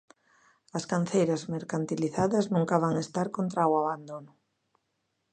As canceiras mercantilizadas nunca van estar contra o abandono.